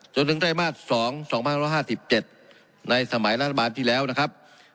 จนถึงไตรมาส๒๒๕๕๗ในสมัยรัฐบาลที่แล้วนะครับ